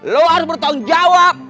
lo harus bertanggung jawab